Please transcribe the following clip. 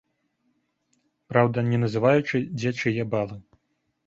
Праўда, не называючы, дзе чые балы.